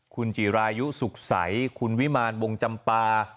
คุณจิรายุสุขใสคุณวิมารวงจำปา